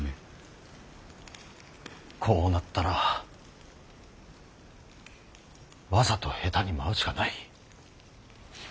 こうなったらわざと下手に舞うしかない。